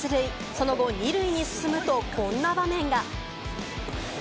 その後、２塁に進むと、こんな場面が。